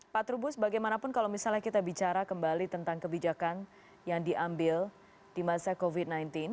pak trubus bagaimanapun kalau misalnya kita bicara kembali tentang kebijakan yang diambil di masa covid sembilan belas